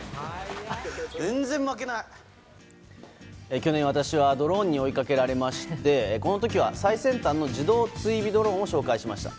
去年、私はドローンに追いかけられましてこの時は最先端の自動追尾ドローンを紹介しました。